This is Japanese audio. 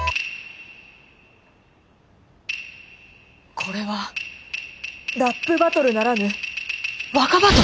これはラップバトルならぬ和歌バトル！？